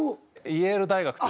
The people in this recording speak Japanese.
イェール大学で！？